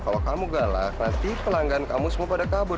kalau kamu galak nanti pelanggan kamu semua pada kabur